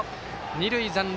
二塁残塁。